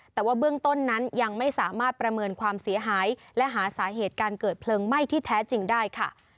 แต่ว่าเบื้องต้นนั้นยังไม่สามารถประเมินความเสียหายและหาสาเหตุการเกิดเพลิงไหม้ที่แท้จริงได้ค่ะ